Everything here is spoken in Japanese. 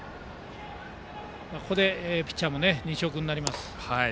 ここでピッチャーが西尾君になります。